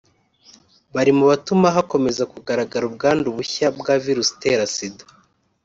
bari mu batuma hakomeza kugaragara ubwandu bushya bwa Virusi itera Sida